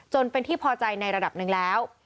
จนเป็นที่พอใจในระดับหนึ่งแล้ว